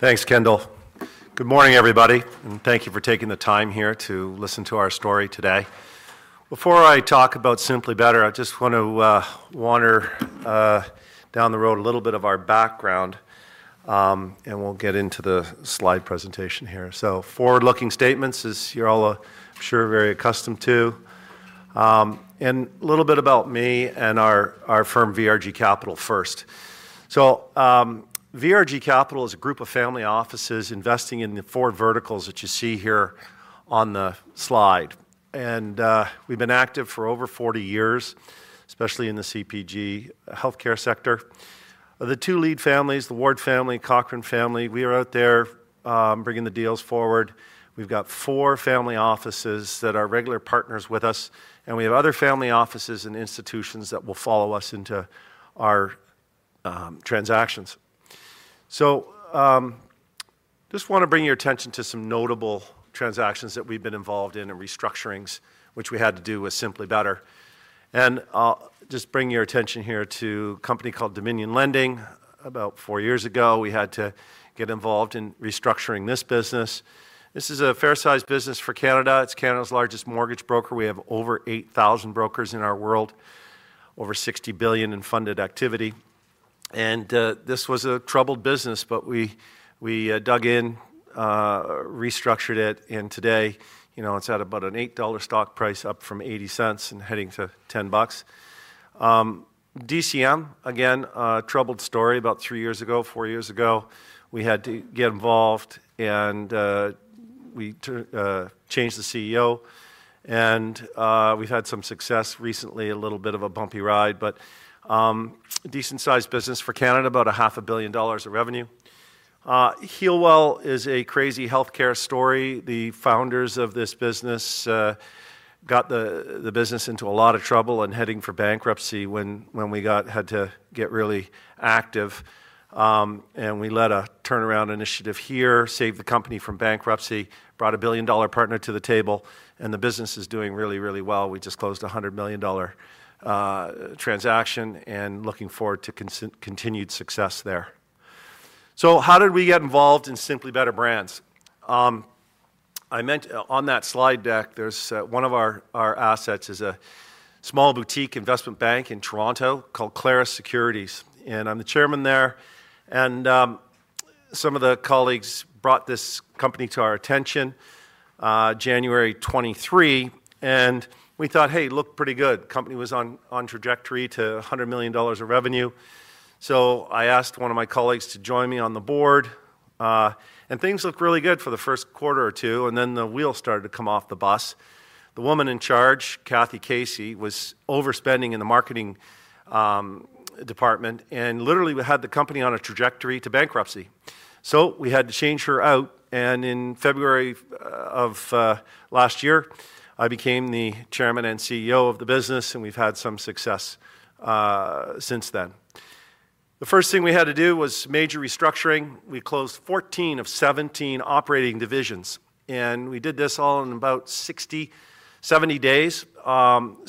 Thanks, Kendall. Good morning, everybody, and thank you for taking the time here to listen to our story today. Before I talk about Simply Better, I just want to wander down the road a little bit of our background, and we'll get into the slide presentation here. Forward-looking statements is, you're all, I'm sure, very accustomed to. A little bit about me and our firm, VRG Capital, first. VRG Capital is a group of family offices investing in the four verticals that you see here on the slide. We've been active for over 40 years, especially in the CPG healthcare sector. The two lead families, the Ward family and Cochran family, we are out there bringing the deals forward. We've got four family offices that are regular partners with us, and we have other family offices and institutions that will follow us into our transactions. I just want to bring your attention to some notable transactions that we've been involved in and restructurings, which we had to do with Simply Better. I'll just bring your attention here to a company called Dominion Lending. About four years ago, we had to get involved in restructuring this business. This is a fair-sized business for Canada. It's Canada's largest mortgage broker. We have over 8,000 brokers in our world, over $60 billion in funded activity. This was a troubled business, but we dug in, restructured it, and today, you know, it's at about an $8 stock price, up from $0.80 and heading to $10. DCM, again, a troubled story. About three years ago, four years ago, we had to get involved, and we changed the CEO. We've had some success recently, a little bit of a bumpy ride, but a decent-sized business for Canada, about $500,000,000 of revenue. Healwell is a crazy healthcare story. The founders of this business got the business into a lot of trouble and heading for bankruptcy when we had to get really active. We led a turnaround initiative here, saved the company from bankruptcy, brought a billion-dollar partner to the table, and the business is doing really, really well. We just closed a $100,000,000 transaction and looking forward to continued success there. How did we get involved in Simply Better Brands? On that slide deck, one of our assets is a small boutique investment bank in Toronto called Claris Securities, and I'm the chairman there. Some of the colleagues brought this company to our attention in January 2023, and we thought, "Hey, it looked pretty good." The company was on trajectory to $100 million of revenue. I asked one of my colleagues to join me on the board, and things looked really good for the first quarter or two, and then the wheel started to come off the bus. The woman in charge, Kathy Casey, was overspending in the marketing department, and literally we had the company on a trajectory to bankruptcy. We had to change her out, and in February of last year, I became the Chairman and CEO of the business, and we've had some success since then. The first thing we had to do was major restructuring. We closed 14 of 17 operating divisions, and we did this all in about 60-70 days,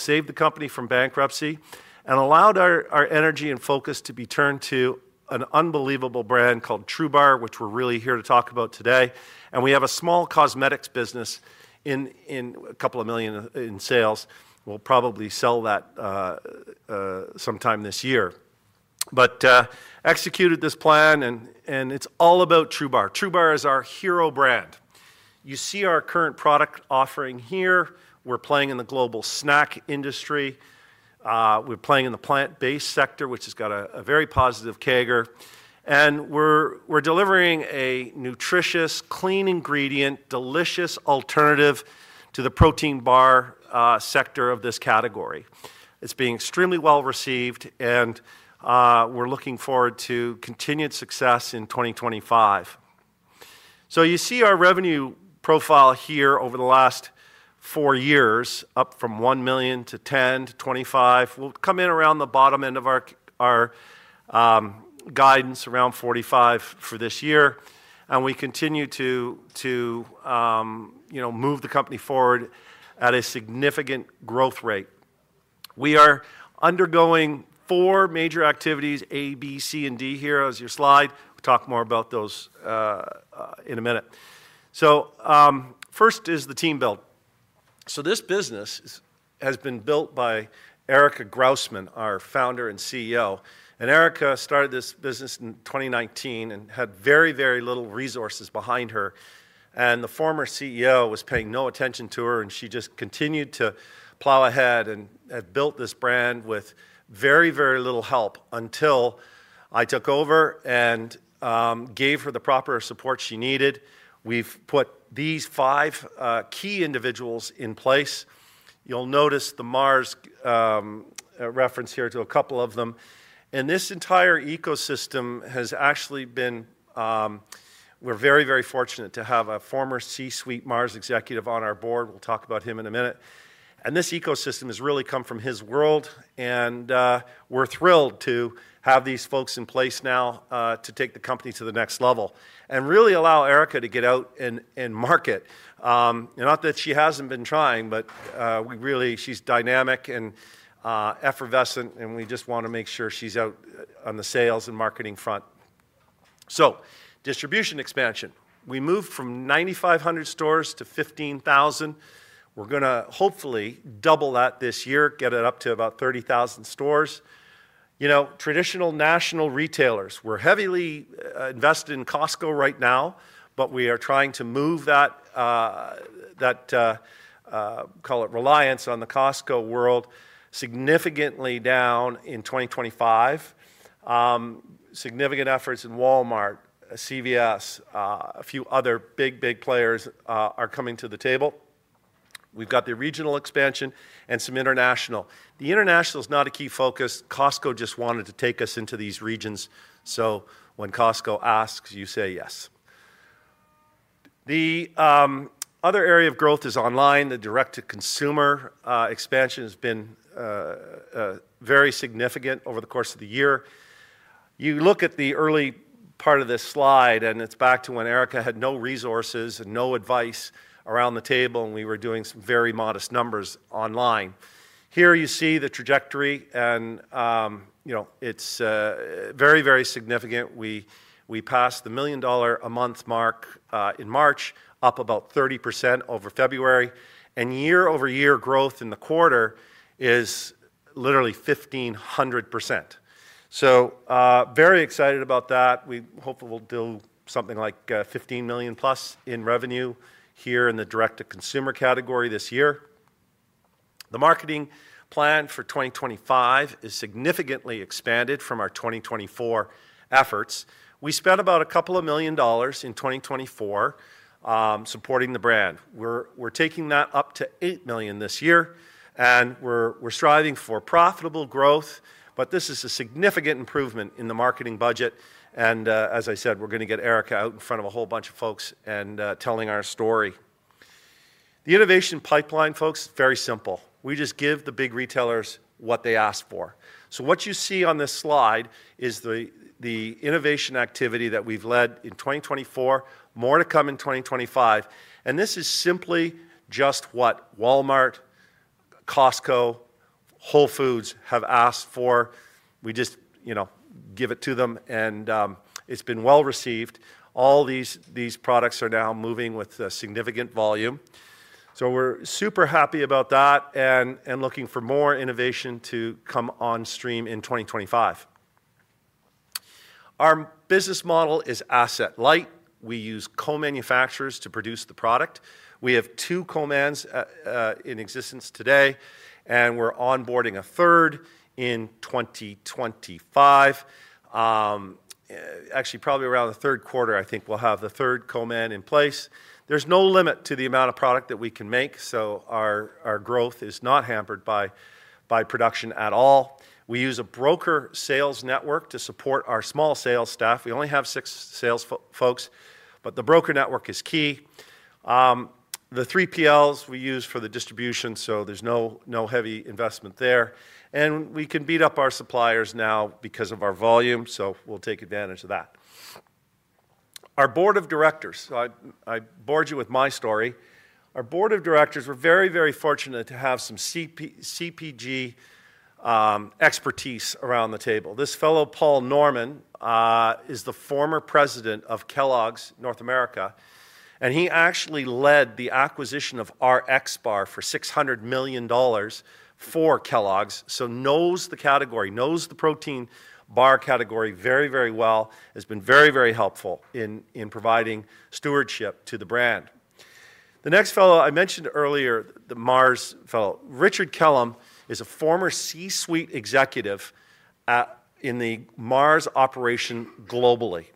saved the company from bankruptcy, and allowed our energy and focus to be turned to an unbelievable brand called TrueBar, which we're really here to talk about today. We have a small cosmetics business in a couple of million in sales. We'll probably sell that sometime this year. Executed this plan, and it's all about TrueBar. TrueBar is our hero brand. You see our current product offering here. We're playing in the global snack industry. We're playing in the plant-based sector, which has got a very positive CAGR. We're delivering a nutritious, clean ingredient, delicious alternative to the protein bar sector of this category. It's being extremely well received, and we're looking forward to continued success in 2025. You see our revenue profile here over the last four years, up from $1 million to $10 million to $25 million. We'll come in around the bottom end of our guidance, around $45 million for this year. We continue to move the company forward at a significant growth rate. We are undergoing four major activities: A, B, C, and D here as your slide. We'll talk more about those in a minute. First is the team build. This business has been built by Erica Grousman, our Founder and CEO. Erica started this business in 2019 and had very, very little resources behind her. The former CEO was paying no attention to her, and she just continued to plow ahead and had built this brand with very, very little help until I took over and gave her the proper support she needed. We've put these five key individuals in place. You'll notice the Mars reference here to a couple of them. This entire ecosystem has actually been—we're very, very fortunate to have a former C-Suite Mars executive on our board. We'll talk about him in a minute. This ecosystem has really come from his world, and we're thrilled to have these folks in place now to take the company to the next level and really allow Erica to get out and market. Not that she hasn't been trying, but we really—she's dynamic and effervescent, and we just want to make sure she's out on the sales and marketing front. Distribution expansion. We moved from 9,500 stores to 15,000. We're going to hopefully double that this year, get it up to about 30,000 stores. You know, traditional national retailers, we're heavily invested in Costco right now, but we are trying to move that, that reliance on the Costco world significantly down in 2025. Significant efforts in Walmart, CVS, a few other big, big players are coming to the table. We've got the regional expansion and some international. The international is not a key focus. Costco just wanted to take us into these regions. When Costco asks, you say yes. The other area of growth is online. The direct-to-consumer expansion has been very significant over the course of the year. You look at the early part of this slide, and it's back to when Erica had no resources and no advice around the table, and we were doing some very modest numbers online. Here you see the trajectory, and you know, it's very, very significant. We passed the million-dollar-a-month mark in March, up about 30% over February. Year-over-year growth in the quarter is literally 1,500%. Very excited about that. We hope we'll do something like $15 million-plus in revenue here in the direct-to-consumer category this year. The marketing plan for 2025 is significantly expanded from our 2024 efforts. We spent about a couple of million dollars in 2024 supporting the brand. We're taking that up to $8 million this year, and we're striving for profitable growth, but this is a significant improvement in the marketing budget. As I said, we're going to get Erica out in front of a whole bunch of folks and telling our story. The innovation pipeline, folks, is very simple. We just give the big retailers what they ask for. What you see on this slide is the innovation activity that we've led in 2024, more to come in 2025. This is simply just what Walmart, Costco, Whole Foods have asked for. We just, you know, give it to them, and it's been well received. All these products are now moving with significant volume. We're super happy about that and looking for more innovation to come on stream in 2025. Our business model is asset-light. We use co-manufacturers to produce the product. We have two co-mans in existence today, and we're onboarding a third in 2025. Actually, probably around the third quarter, I think we'll have the third co-man in place. There's no limit to the amount of product that we can make, so our growth is not hampered by production at all. We use a broker sales network to support our small sales staff. We only have six sales folks, but the broker network is key. The 3PLs we use for the distribution, so there's no heavy investment there. We can beat up our suppliers now because of our volume, so we'll take advantage of that. Our board of directors, so I bored you with my story. Our board of directors, we're very, very fortunate to have some CPG expertise around the table. This fellow, Paul Norman, is the former president of Kellogg's North America, and he actually led the acquisition of our X-Bar for $600 million for Kellogg's, so knows the category, knows the protein bar category very, very well. Has been very, very helpful in providing stewardship to the brand. The next fellow I mentioned earlier, the Mars fellow, Richard Kellum, is a former C-Suite executive in the Mars operation globally.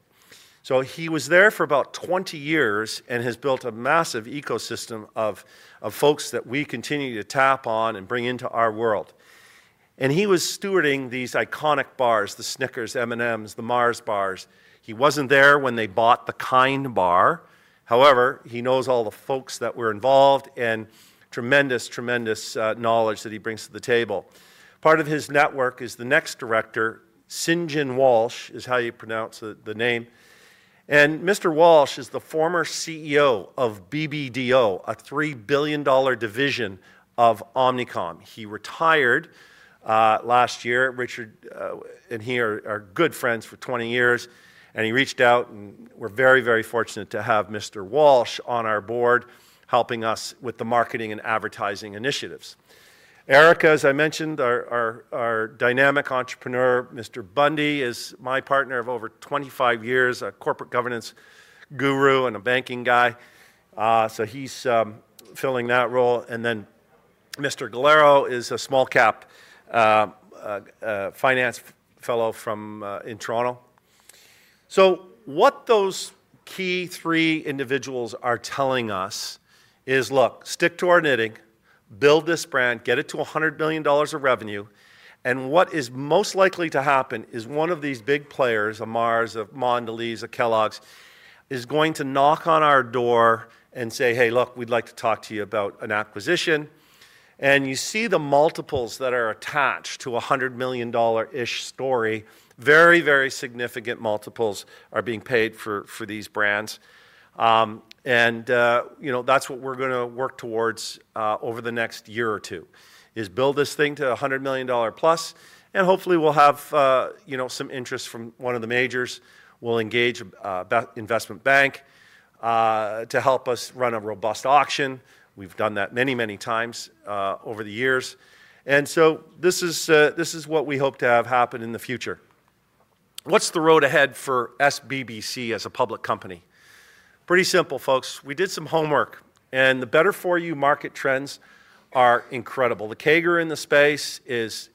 He was there for about 20 years and has built a massive ecosystem of folks that we continue to tap on and bring into our world. He was stewarding these iconic bars, the Snickers, M&Ms, the Mars bars. He wasn't there when they bought the KIND bar. However, he knows all the folks that were involved and tremendous, tremendous knowledge that he brings to the table. Part of his network is the next director, Sinjin Walsh, is how you pronounce the name. Mr. Walsh is the former CEO of BBDO, a $3 billion division of Omnicom. He retired last year. Richard and he are good friends for 20 years, and he reached out, and we're very, very fortunate to have Mr. Walsh on our board helping us with the marketing and advertising initiatives. Erica, as I mentioned, our dynamic entrepreneur. Mr. Bundy is my partner of over 25 years, a corporate governance guru and a banking guy. He is filling that role. Mr. Galero is a small-cap finance fellow from in Toronto. What those key three individuals are telling us is, "Look, stick to our knitting, build this brand, get it to $100 million of revenue." What is most likely to happen is one of these big players, a Mars, a Mondelez, a Kellogg's, is going to knock on our door and say, "Hey, look, we'd like to talk to you about an acquisition." You see the multiples that are attached to a $100 million-ish story. Very, very significant multiples are being paid for these brands. You know, that's what we're going to work towards over the next year or two, is build this thing to $100 million plus. Hopefully, we'll have, you know, some interest from one of the majors. We'll engage an investment bank to help us run a robust auction. We've done that many, many times over the years. This is what we hope to have happen in the future. What's the road ahead for SBBC as a public company? Pretty simple, folks. We did some homework, and the better-for-you market trends are incredible. The CAGR in the space is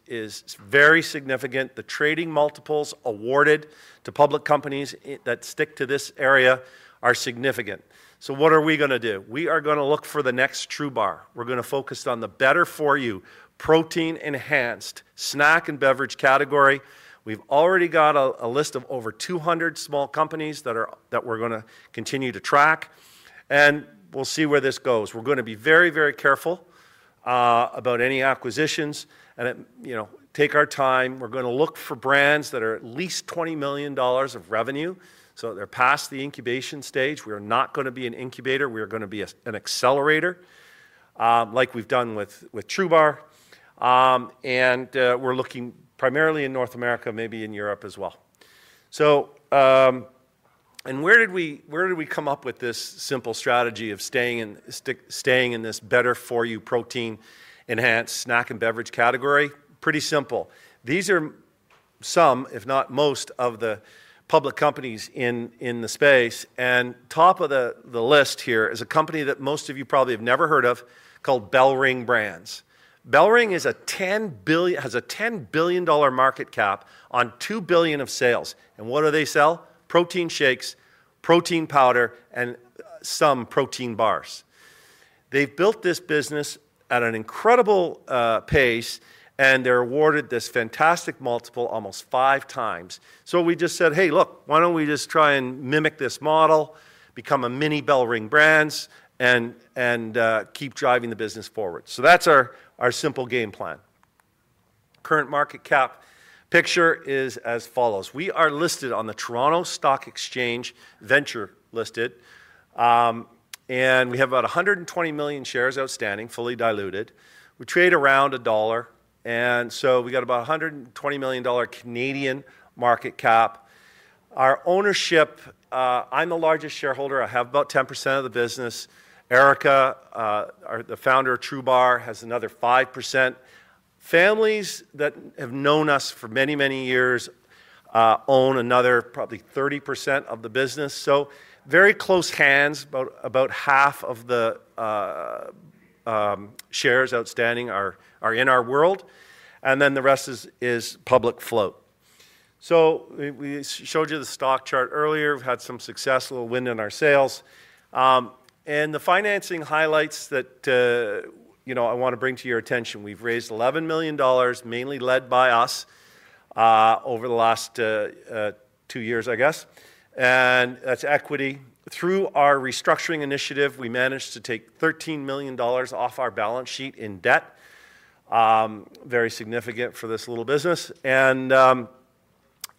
very significant. The trading multiples awarded to public companies that stick to this area are significant. What are we going to do? We are going to look for the next TrueBar. We're going to focus on the better-for-you protein-enhanced snack and beverage category. We've already got a list of over 200 small companies that we're going to continue to track, and we'll see where this goes. We're going to be very, very careful about any acquisitions and, you know, take our time. We're going to look for brands that are at least $20 million of revenue, so they're past the incubation stage. We are not going to be an incubator. We are going to be an accelerator like we've done with TRUBAR. We're looking primarily in North America, maybe in Europe as well. Where did we come up with this simple strategy of staying in this better-for-you protein-enhanced snack and beverage category? Pretty simple. These are some, if not most, of the public companies in the space. Top of the list here is a company that most of you probably have never heard of called BellRing Brands. BellRing has a $10 billion market cap on $2 billion of sales. What do they sell? Protein shakes, protein powder, and some protein bars. They've built this business at an incredible pace, and they're awarded this fantastic multiple, almost five times. We just said, "Hey, look, why don't we just try and mimic this model, become a mini BellRing Brands, and keep driving the business forward?" That's our simple game plan. Current market cap picture is as follows. We are listed on the TSX Venture, and we have about 120 million shares outstanding, fully diluted. We trade around $1, and so we got about 120 million Canadian dollars market cap. Our ownership, I'm the largest shareholder. I have about 10% of the business. Erica, the founder of TRUBAR, has another 5%. Families that have known us for many, many years own another probably 30% of the business. Very close hands, about half of the shares outstanding are in our world. The rest is public float. We showed you the stock chart earlier. We've had some success, a little wind in our sails. The financing highlights that, you know, I want to bring to your attention. We've raised $11 million, mainly led by us over the last two years, I guess. That's equity. Through our restructuring initiative, we managed to take $13 million off our balance sheet in debt. Very significant for this little business. We've also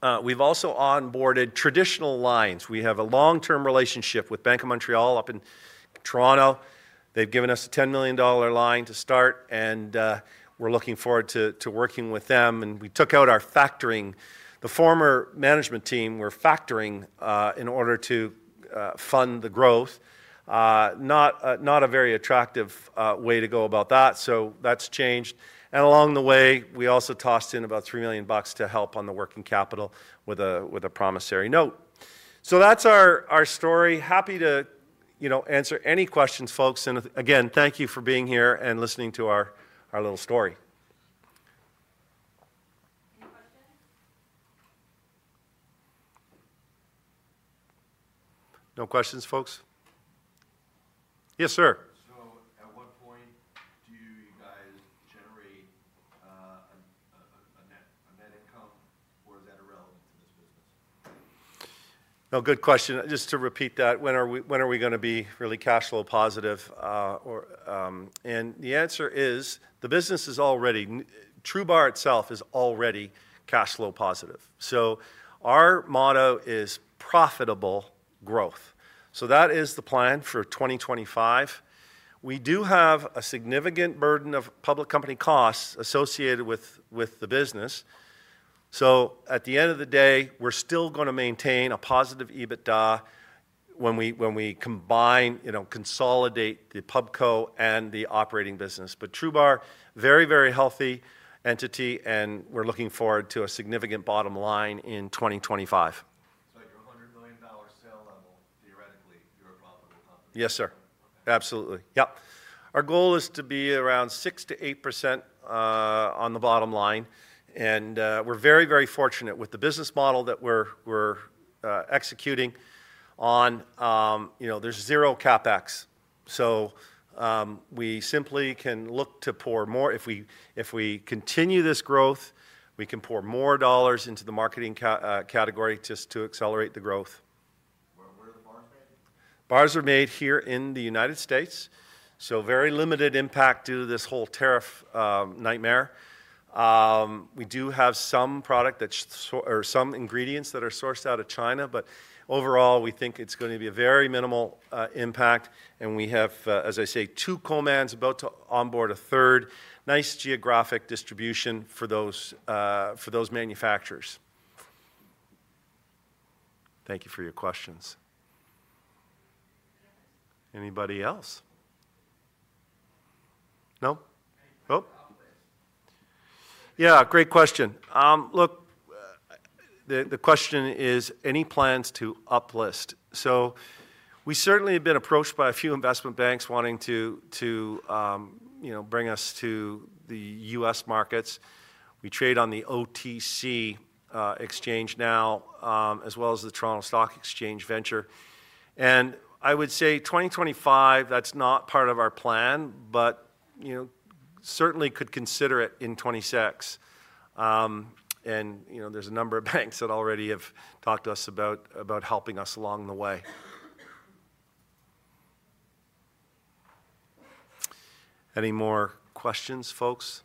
onboarded traditional lines. We have a long-term relationship with Bank of Montreal up in Toronto. They've given us a $10 million line to start, and we're looking forward to working with them. We took out our factoring. The former management team were factoring in order to fund the growth. Not a very attractive way to go about that, so that's changed. Along the way, we also tossed in about $3 million to help on the working capital with a promissory note. That is our story. Happy to, you know, answer any questions, folks. Again, thank you for being here and listening to our little story. Any questions? No questions, folks? Yes, sir. At what point do you guys generate a net income, or is that irrelevant to this business? Good question. Just to repeat that, when are we going to be really cash flow positive? The answer is, the business is already, TRUBAR itself is already cash flow positive. Our motto is profitable growth. That is the plan for 2025. We do have a significant burden of public company costs associated with the business. At the end of the day, we're still going to maintain a positive EBITDA when we combine, you know, consolidate the Pubco and the operating business. TrueBar, very, very healthy entity, and we're looking forward to a significant bottom line in 2025. At your $100 million sale level, theoretically, you're a profitable company? Yes, sir. Absolutely. Yep. Our goal is to be around 6-8% on the bottom line. We're very, very fortunate with the business model that we're executing on. You know, there's zero CapEx. We simply can look to pour more. If we continue this growth, we can pour more dollars into the marketing category just to accelerate the growth. Where are the bars made? Bars are made here in the United States. Very limited impact due to this whole tariff nightmare. We do have some product that's, or some ingredients that are sourced out of China, but overall, we think it's going to be a very minimal impact. We have, as I say, two co-mans about to onboard a third. Nice geographic distribution for those manufacturers. Thank you for your questions. Anybody else? No? Oh. Yeah, great question. Look, the question is, any plans to uplist? We certainly have been approached by a few investment banks wanting to, you know, bring us to the U.S. markets. We trade on the OTC exchange now, as well as the Toronto Stock Exchange Venture. I would say 2025, that's not part of our plan, but, you know, certainly could consider it in 2026. You know, there's a number of banks that already have talked to us about helping us along the way. Any more questions, folks?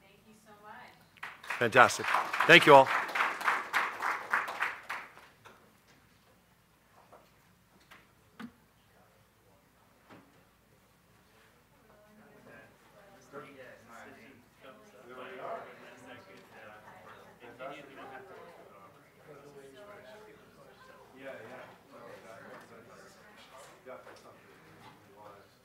Thank you so much. Fantastic. Thank you all.